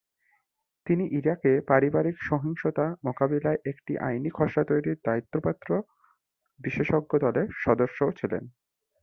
তিনি ইরাকে পারিবারিক সহিংসতা মোকাবিলায় একটি আইনের খসড়া তৈরির দায়িত্বপ্রাপ্ত বিশেষজ্ঞ দলের সদস্যও ছিলেন।